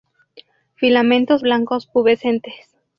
Filamentos blancos pubescentes.